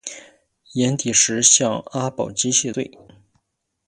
寅底石向阿保机谢罪。